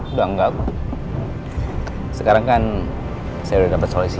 udah enggak aku sekarang kan saya dapat solusi